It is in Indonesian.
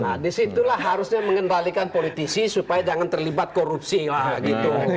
nah disitulah harusnya mengendalikan politisi supaya jangan terlibat korupsi lah gitu